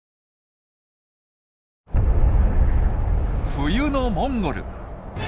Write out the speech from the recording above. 冬のモンゴル。